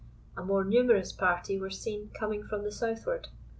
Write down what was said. A more numerous party were seen coming from the southward.